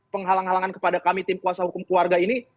penghalang halangan kepada kami tim kuasa hukum keluarga ini